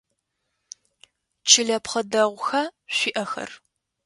Чылэпхъэ дэгъуха шъуиӏэхэр?